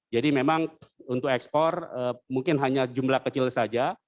jadi memang untuk ekspor mungkin hanya jumlah kecil saja